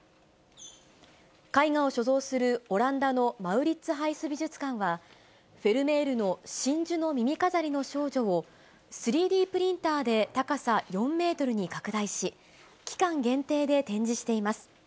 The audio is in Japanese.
絵画を所蔵するオランダのマウリッツハイス美術館は、フェルメールの真珠の耳飾りの少女を、３Ｄプリンターで高さ４メートルに拡大し、期間限定で展示しています。